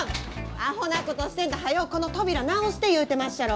アホなことしてんとはようこの扉直して言うてまっしゃろ！